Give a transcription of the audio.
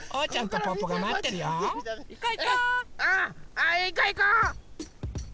あいこいこう！